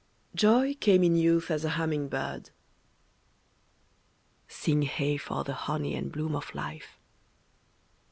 Joy came in youth as a humming bird, (Sing hey! for the honey and bloom of life!)